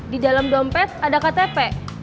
di dalam dompet ada ktp